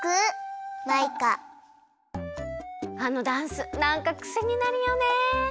あのダンスなんかクセになるよね。